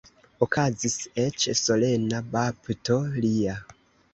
Okazis eĉ solena bapto lia.